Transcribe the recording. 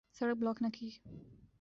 سڑک بلاک نہ کی۔